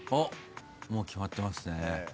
もう決まってますね。